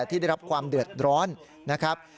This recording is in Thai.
ที่ได้รับความเดือดร้อนนะครับ